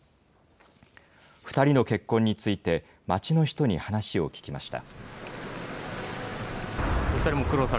２人の結婚について、街の人に話を聞きました。